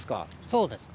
そうです。